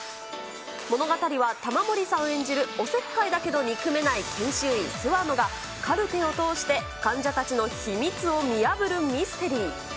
物語は玉森さん演じる、おせっかいだけど憎めない研修医、諏訪野がカルテを通して、患者たちの秘密を見破るミステリー。